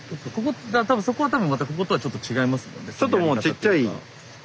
多分そこは多分またこことはちょっと違いますもんね？